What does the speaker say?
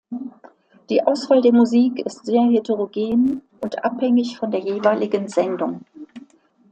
Die Auswahl der Musik ist sehr heterogen und abhängig von der jeweiligen Sendung.